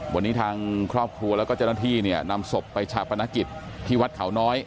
วันนี้ทางครอบครัวแล้วก็เจ้าหน้าที่เนี่ยนำศพไปชาปนกิจที่วัดเขาน้อย